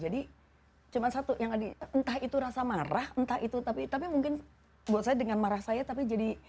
jadi cuma satu yang ada entah itu rasa marah entah itu tapi mungkin buat saya dengan marah saya tapi jadi